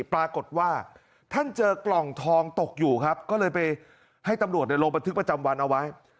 ปรากฏว่าท่านเจอกล่องทองตกอยู่ครับก็เลยไปให้ตำรวจลงบันทึกประจำวันเอาไว้